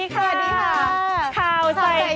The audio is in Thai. กลับมาติดต่อ